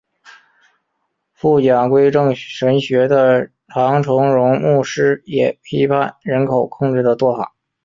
宣讲归正神学的唐崇荣牧师也批判人口控制的做法。